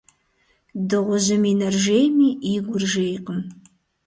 Дыгъужьым и нэр жейми, и гур жейкъым.